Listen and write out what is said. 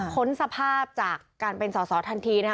ค้นสภาพจากการเป็นสอสอทันทีนะคะ